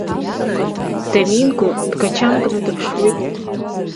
Доминго дгачамкны дыԥшуеит.